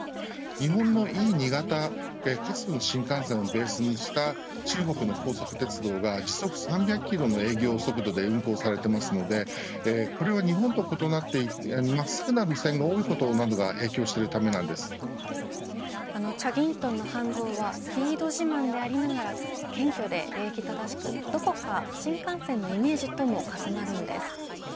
日本のＥ２型新幹線をベースにした中国の高速鉄道が時速３００キロの営業速度で運行されていますのでこれは日本と異なっていて真っすぐな路線が多いことがチャギントンのハンゾーはスピード自慢でありながら謙虚で礼儀正しくどこか新幹線のイメージとも重なるんです。